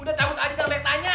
udah cabut aja jangan banyak tanya